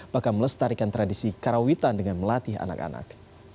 bahkan melestarikan tradisi karawitan dengan melatih anak anak